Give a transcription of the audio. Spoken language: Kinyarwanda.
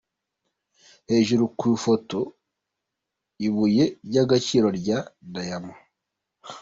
Hejuru ku ifoto: Ibuye ry’agaciro rya diamant.